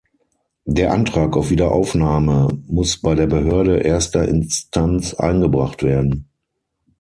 Der Antrag auf Wiederaufnahme muss bei der Behörde erster Instanz eingebracht werden.